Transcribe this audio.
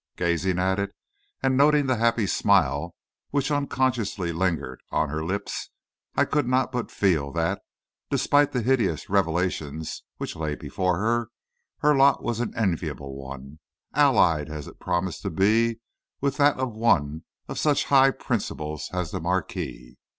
Gazing at it, and noting the happy smile which unconsciously lingered on her lips, I could not but feel that, despite the hideous revelations which lay before her, her lot was an enviable one, allied as it promised to be with that of one of such high principles as the marquis.